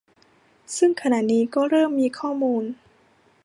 ซึ่งขณะนี้ก็เริ่มมีข้อมูล